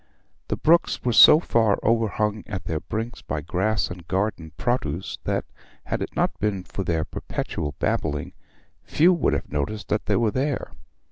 The brooks were so far overhung at their brinks by grass and garden produce that, had it not been for their perpetual babbling, few would have noticed that they were there.